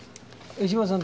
江島さん